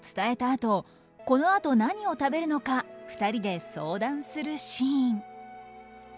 あとこのあと何を食べるのか２人で相談するシーン。